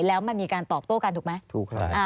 แล้วมันมีการตอบโต้กันถูกไหมถูกครับ